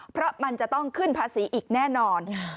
เพราะมันจะต้องขึ้นภาษีอีกแน่นอน